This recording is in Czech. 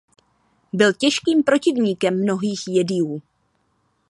Byl těžkým protivníkem mnohých Jediů.